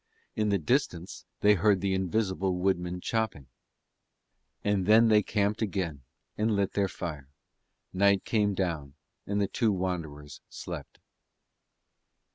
In the distance they heard the invisible woodmen chopping. And then they camped again and lit their fire; and night came down and the two wanderers slept.